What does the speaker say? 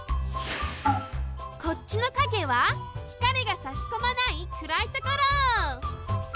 こっちの陰はひかりがさしこまないくらいところ。